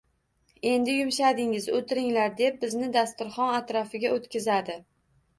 — Endi yumshadingiz. O'tiringlar, — deb bizni dasturxon atrofiga o'tqizadi.